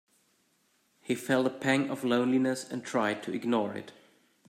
He felt a pang of loneliness and tried to ignore it.